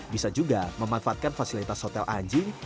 bisa juga memanfaatkan fasilitas hotel anjing